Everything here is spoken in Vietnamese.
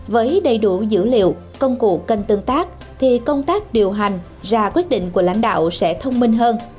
với đầy đủ dữ liệu công cụ kênh tương tác thì công tác điều hành ra quyết định của lãnh đạo sẽ thông minh hơn